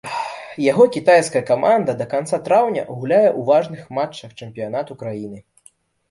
Яго кітайская каманда да канца траўня гуляе ў важных матчах чэмпіянату краіны.